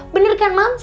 bener kan mams